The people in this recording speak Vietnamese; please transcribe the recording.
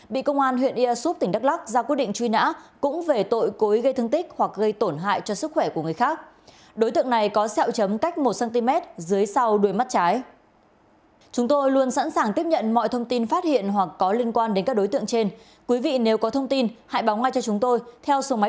bị công an huyện ia súp tỉnh đắk lắc ra quyết định truy nã cũng về tội cối gây thương tích hoặc gây tổn hại cho sức khỏe của người khác